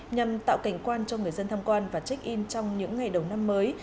nhằm tạo cảnh quan cho người dân tham quan và check in trong những ngày đầu năm mới